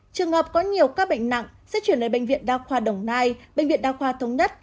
trường hợp có nhiều ca bệnh nặng sẽ chuyển lời bệnh viện đa khoa đồng nai bệnh viện đa khoa thống nhất